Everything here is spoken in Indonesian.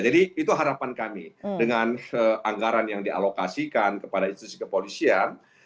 jadi itu harapan kami dengan anggaran yang dialokasikan kepada institusi kepolisian